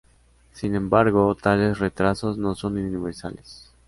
Sin embargo, tales retrasos no son universales.